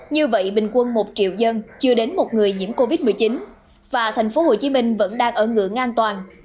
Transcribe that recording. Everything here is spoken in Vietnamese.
như vậy bình quân một triệu dân chưa đến một người nhiễm covid một mươi chín và tp hcm vẫn đang ở ngưỡng an toàn